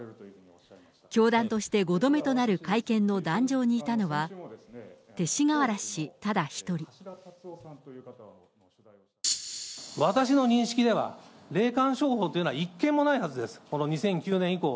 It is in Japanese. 教団として５度目となる会見の壇上にいたのは、私の認識では、霊感商法というのは一件もないはずです。